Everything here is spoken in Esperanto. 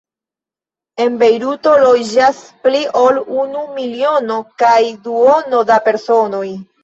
En Bejruto loĝas pli ol unu miliono kaj duono da personoj.